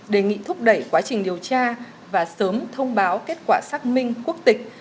đề nghị thúc đẩy quá trình điều tra và sớm thông báo kết quả xác minh quốc tịch